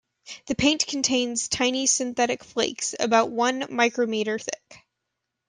The paint contains tiny synthetic flakes about one micrometre thick.